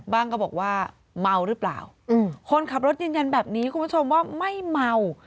ก็บอกว่าเมาหรือเปล่าคนขับรถยืนยันแบบนี้คุณผู้ชมว่าไม่เมา